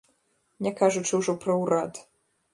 Не кажучы ўжо пра ўрад.